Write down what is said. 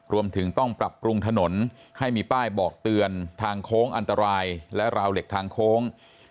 รวมถึงต้องปรับปรุงถนนให้มีป้ายบอกเตือนทางโค้งอันตรายและราวเหล็กทางโค้ง